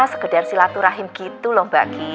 sekedar silaturahim gitu lho mbak kim